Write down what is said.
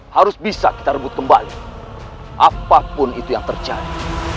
harus bisa kita rebut kembali apapun itu yang terjadi